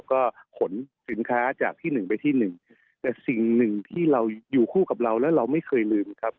ก็ขนสินค้าจากที่หนึ่งไปที่หนึ่งแต่สิ่งหนึ่งที่เราอยู่คู่กับเราแล้วเราไม่เคยลืมครับ